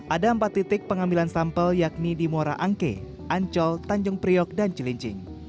ada empat titik pengambilan sampel yakni di muara angke ancol tanjung priok dan cilincing